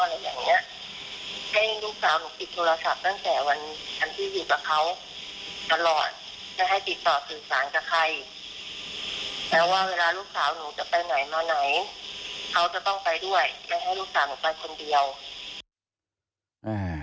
ไม่ให้ติดต่อสื่อสารกับใครแปลว่าเวลาลูกสาวหนูจะไปไหนมาไหนเขาจะต้องไปด้วยไม่ให้ลูกสาวหนูไปคนเดียว